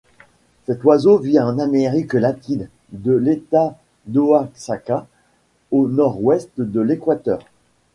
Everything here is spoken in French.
Cet oiseau vit en Amérique latine, de l'État d'Oaxaca au nord-ouest de l'Équateur.